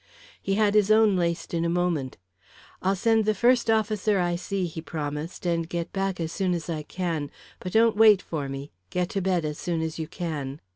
He had his own laced in a moment. "I'll send the first officer I see," he promised, "and get back as soon as I can. But don't wait for me. Get to bed as soon as you can."